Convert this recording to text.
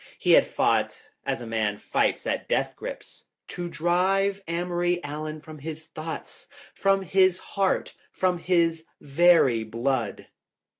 He had fought, as a man fights at death grips, to drive Amory Allen from his thoughts, from his heart, from his very blood.